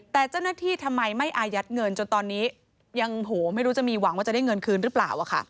แต่เจ้าหน้าที่ทำไมไม่อายัดเงินจนตอนนี้ยังไม่รู้จะมีหวังว่าจะได้เงินคืนหรือเปล่า